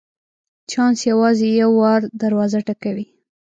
چانس یوازي یو وار دروازه ټکوي .